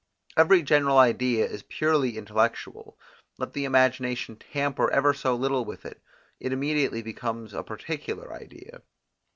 Every general idea is purely intellectual; let the imagination tamper ever so little with it, it immediately becomes a particular idea.